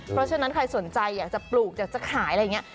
เพราะฉะนั้นใครสนใจอยากจะปลูกอยากจะขายอะไรอย่างนี้